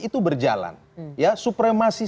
itu berjalan ya supremasi